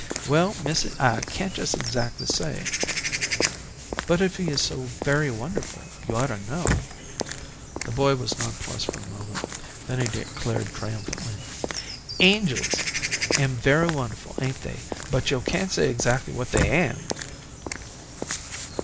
"Well, missy, I can't jes' 'xactly say." "If he is so very wonderful, you ought to know." The boy was nonplused for a moment. Then he declared triumphantly; "Angels am very wonderful, ain't they? But yo' can't say 'xactly what they am."